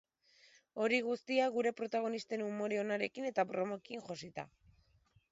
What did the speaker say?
Hori guztia, gure protagonisten umore onarekin eta bromekin josita.